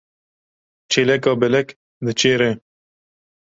Çêleka belek diçêre.